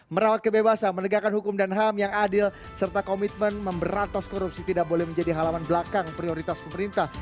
merawat kebebasan menegakkan hukum dan ham yang adil serta komitmen memberantas korupsi tidak boleh menjadi halaman belakang prioritas pemerintah